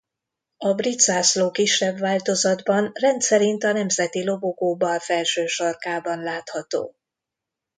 A brit zászló kisebb változatban rendszerint a nemzeti lobogó bal felső sarkában látható.